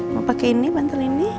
mau pakai ini bantal ini